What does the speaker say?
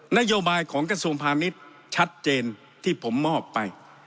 นโยบายของกระทรวงพาณิชย์ชัดเจนที่ผมมอบไป